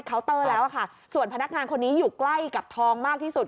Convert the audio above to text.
เตอร์แล้วอะค่ะส่วนพนักงานคนนี้อยู่ใกล้กับทองมากที่สุด